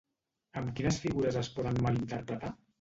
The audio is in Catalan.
Amb quines figures es poden malinterpretar?